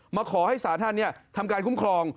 มาขอให้ศาลท่านทำการคุ้มครอง